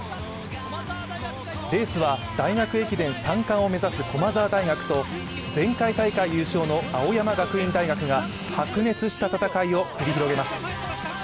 レースは大学駅伝三冠を目指す駒澤大学と前回大会優勝の青山学院大学が白熱した戦いを繰り広げます。